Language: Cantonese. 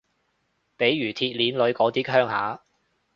譬如鐵鍊女嗰啲鄉下